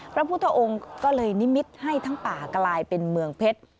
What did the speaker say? พระพุทธองค์ก็เลยนิมิตให้ทั้งป่ากลายเป็นเมืองเพชร